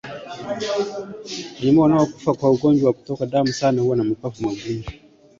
Wanyama wanaokufa kwa ugonjwa wakutoka damu sana huwa na mapafu magumu